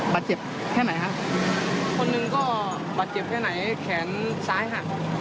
บาดเจ็บแค่ไหนฮะคนหนึ่งก็บาดเจ็บแค่ไหนแขนซ้ายหัก